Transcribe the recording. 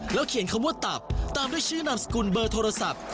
เขียนคำว่าตับตามด้วยชื่อนามสกุลเบอร์โทรศัพท์